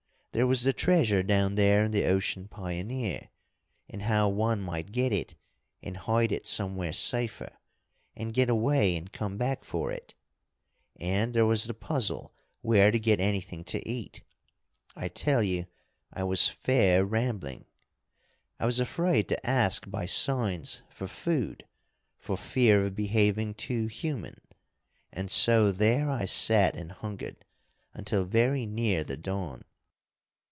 There was the treasure down there in the Ocean Pioneer, and how one might get it and hide it somewhere safer, and get away and come back for it. And there was the puzzle where to get anything to eat. I tell you I was fair rambling. I was afraid to ask by signs for food, for fear of behaving too human, and so there I sat and hungered until very near the dawn.